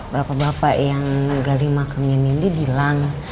bapak bapak yang gali makamnya nindi bilang